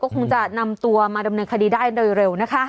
คงจะนำตัวมาดำเนินคดีได้โดยเร็วนะคะ